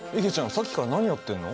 さっきから何やってんの？